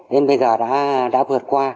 đến bây giờ đã vượt qua